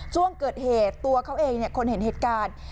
ช่วงเกิดเหตุตัวเขาเองคนเห็นเหตุการณ์